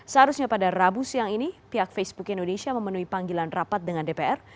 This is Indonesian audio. seharusnya pada rabu siang ini pihak facebook indonesia memenuhi panggilan rapat dengan dpr